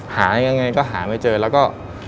หายังไงก็หาไม่เจอแล้วก็